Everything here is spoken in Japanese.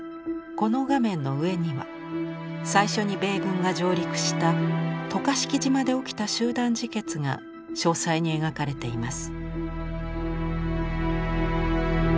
この画面の上には最初に米軍が上陸した渡嘉敷島で起きた集団自決が詳細に描かれています。